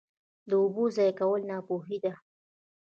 د اوبو ضایع کول ناپوهي ده.